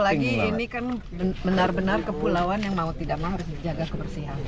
apalagi ini kan benar benar kepulauan yang mau tidak mau harus dijaga kebersihan